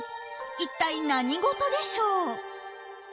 一体何事でしょう？